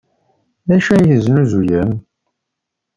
D acu ay la tesnuzuyem?